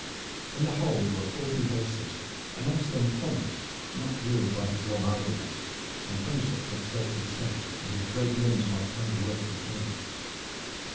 In the hold were forty horses, amongst them Pommers, much wearied by his long idleness, and homesick for the slopes of Surrey where his great limbs might find the work he craved.